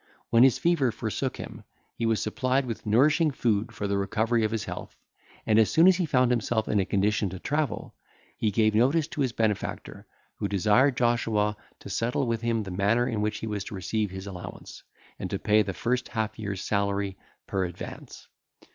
When his fever forsook him, he was supplied with nourishing food for the recovery of his health; and as soon as he found himself in a condition to travel, he gave notice to his benefactor, who desired Joshua to settle with him the manner in which he was to receive his allowance, and to pay the first half year's salary per advance.